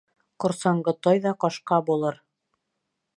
Ҡорсаңғы тай ҙа ҡашҡа булыр.